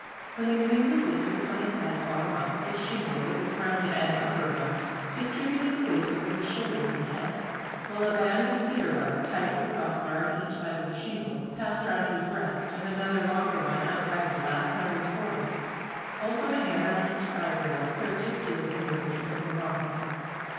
When the canoe was lifted upon his head bottom up, this shingle, with its rounded end uppermost, distributed the weight over his shoulders and head, while a band of cedar bark, tied to the crossbar on each side of the shingle, passed round his breast, and another longer one, outside of the last, round his forehead; also a hand on each side rail served to steer the canoe and keep it from rocking.